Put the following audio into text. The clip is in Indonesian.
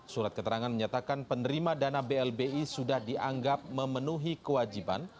surat keterangan menyatakan penerima dana blbi sudah dianggap memenuhi kewajiban